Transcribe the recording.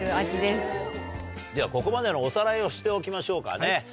ではここまでのおさらいをしておきましょうかね。